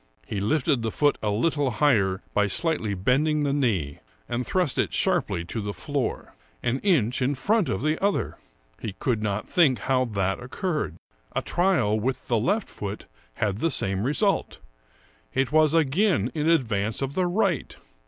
He lifted the foot a little higher by slightly bending the knee, and thrust it sharply to the floor — an inch in front of the other ! He could not think how that occurred. A trial with the left foot had the same result ; it was again in ad vance of the right.